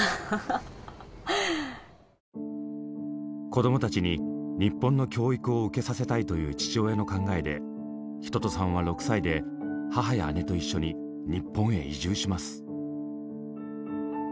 子どもたちに日本の教育を受けさせたいという父親の考えで一青さんは６歳で母や姉と一緒に日本へ移住します。